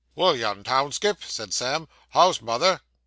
'Well, young townskip,' said Sam, 'how's mother?